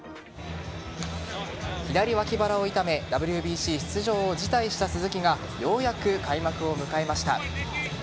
左脇腹を痛めＷＢＣ出場を辞退した鈴木がようやく開幕を迎えました。